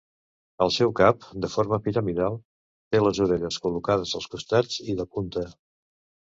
El seu cap, de forma piramidal, té les orelles col·locades als costats i de punta.